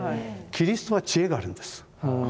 キリストは知恵があるんです。